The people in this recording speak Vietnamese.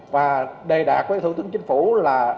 và đề đạt với thủ tướng chính phủ là